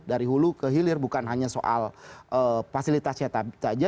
dari hulu ke hilir bukan hanya soal fasilitasnya saja